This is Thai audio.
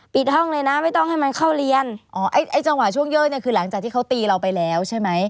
ห้องเลยนะไม่ต้องให้มันเข้าเรียนอ๋อไอ้ไอ้จังหวะช่วงเยอะเนี่ยคือหลังจากที่เขาตีเราไปแล้วใช่ไหม